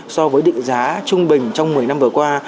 so với định giá trung bình trong một mươi năm vừa qua